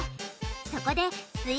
そこです